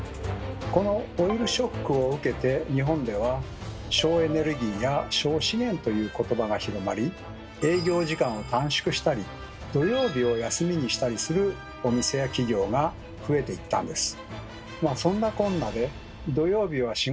このオイルショックを受けて日本では「省エネルギー」や「省資源」という言葉が広まり営業時間を短縮したり土曜日を休みにしたりするお店や企業が増えていったんです。